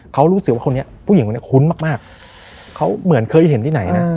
เขารู้สึกว่าคนนี้ผู้หญิงคนนี้คุ้นมากเขาเหมือนเคยเห็นที่ไหนนะ